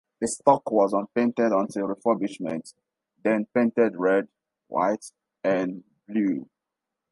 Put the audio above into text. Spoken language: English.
The stock was unpainted until refurbishment, then painted red, white and blue.